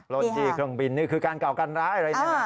ร้อนจี่เครื่องบินนี่คือการเก่ากันร้ายเลยนะ